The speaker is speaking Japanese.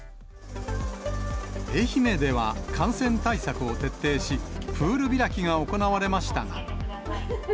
愛媛では、感染対策を徹底し、プール開きが行われましたが。